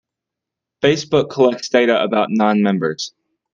Facebook collects data about non-members.